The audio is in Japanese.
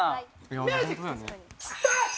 ミュージックスタート！